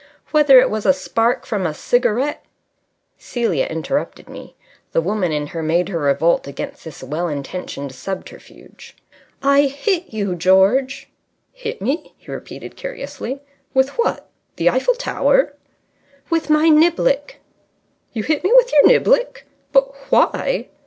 "Whether it was a spark from a cigarette " Celia interrupted me. The woman in her made her revolt against this well intentioned subterfuge. "I hit you, George!" "Hit me?" he repeated, curiously. "What with? The Eiffel Tower?" "With my niblick." "You hit me with your niblick? But why?"